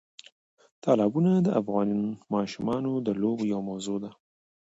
تالابونه د افغان ماشومانو د لوبو یوه موضوع ده.